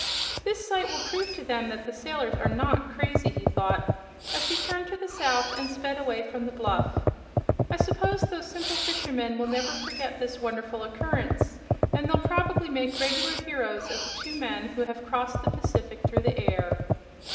"This sight will prove to them that the sailors are not crazy," he thought, as he turned to the south and sped away from the bluff. "I suppose those simple fishermen will never forget this wonderful occurrence, and they'll probably make reg'lar heroes of the two men who have crossed the Pacific through the air."